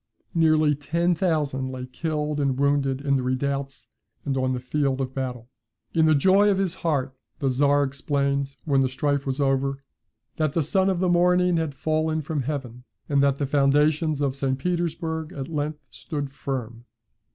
Nearly ten thousand lay killed and wounded in the redoubts and on the field of battle. In the joy of his heart the Czar exclaimed, when the strife was over, "That the son of the morning had fallen from heaven; and that the foundations of St. Petersburg at length stood firm."